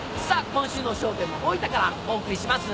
今週の『笑点』も大分からお送りします。